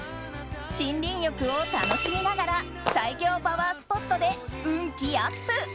森林浴を楽しみながら最強パワースポットで運気アップ。